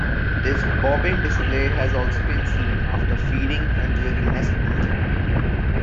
This bobbing display has also been seen after feeding and during nest building.